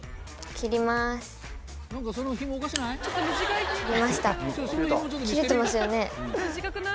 切れてますよね。